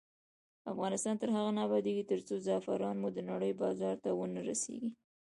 افغانستان تر هغو نه ابادیږي، ترڅو زعفران مو د نړۍ بازار ته ونه رسیږي.